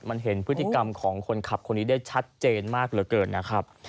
มันเห็นพฤติกรรมของคนขับคนนี้ได้ชัดเจนมากเหลือเกินนะครับ